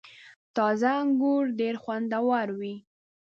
• تازه انګور ډېر خوندور وي.